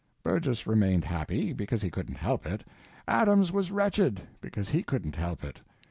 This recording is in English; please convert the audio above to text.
Burgess remained happy—because he couldn't help it. Adams was wretched—because he couldn't help it.